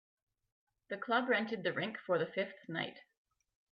The club rented the rink for the fifth night.